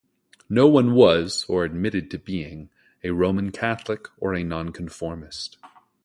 No-one was, or admitted to being - a Roman Catholic or a nonconformist.